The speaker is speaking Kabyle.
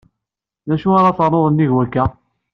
D acu ara ternuḍ nnig wakka?